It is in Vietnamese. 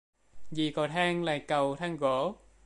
Vì cầu thang là cầu thang gỗ